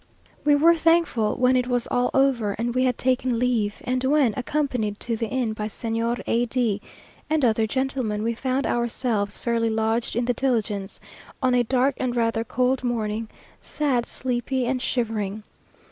We were thankful when it was all over and we had taken leave, and when, accompanied to the inn by Señor A d and other gentlemen, we found ourselves fairly lodged in the diligence, on a dark and rather cold morning, sad, sleepy, and shivering.